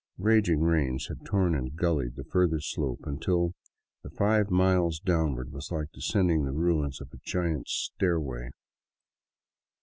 Raging rains had torn and gullied the further slope until the five miles downward was like descending the ruins of a giant's stairway.